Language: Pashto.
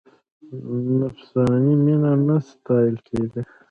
نفساني مینه نه ستایل کېږي.